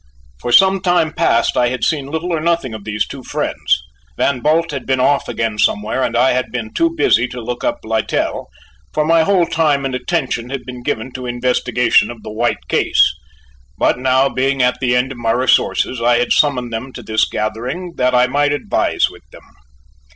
For some time past I had seen little or nothing of these two friends. Van Bult had been off again somewhere, and I had been too busy to look up Littell, for my whole time and attention had been given to investigation of the White case: but now being at the end of my resources I had summoned them to this gathering that I might advise with them.